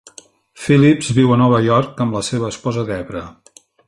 Phillips viu a NOva York amb la seva esposa Debra.